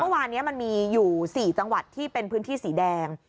เมื่อวานเนี่ยมันมีอยู่๔จังหวัดที่เป็นพื้นที่สีแดง